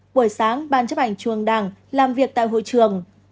buổi sáng ban chấp hành chuông đảng làm việc tại hội trường